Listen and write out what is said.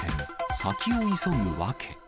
先を急ぐ訳。